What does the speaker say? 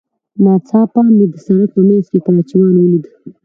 ناڅاپه مې د سړک په منځ کې کراچيوان وليد.